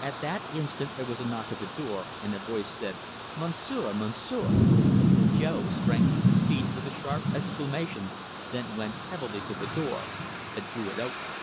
At that instant there was a knock at the door, and a voice said: "Monsieur! Monsieur!" Jo sprang to his feet with a sharp exclamation, then went heavily to the door and threw it open.